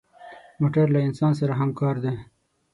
موټر له انسان سره همکار دی.